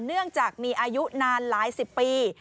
เนื่องจากมีอายุนานหลายสิบปี